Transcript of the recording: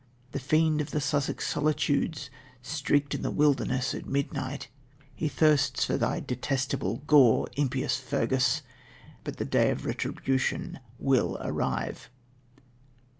The fiend of the Sussex solitudes shrieked in the wilderness at midnight he thirsts for thy detestable gore, impious Fergus. But the day of retribution will arrive.